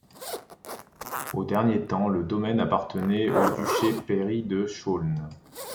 Aux derniers temps, le domaine appartenait au duché-pairie de Chaulnes.